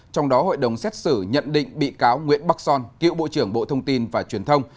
trong đó hội đồng xét xử nhận định bị cáo nguyễn bắc son cựu bộ trưởng bộ thông tin và truyền thông